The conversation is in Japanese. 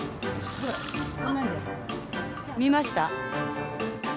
見ました？